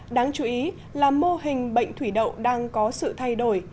đáng chú ý là mô hình bệnh thủy đậu đang có sự thay đổi